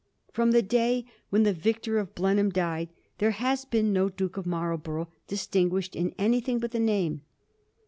From the day when the victor of Blenheim died, there has been no Duke of Marl borough distinguished in anything but the name.